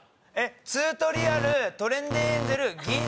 ツートリアルトレンデーエンゼル銀。